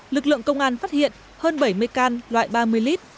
lực lượng công an phát hiện hơn bảy mươi can loại ba mươi lít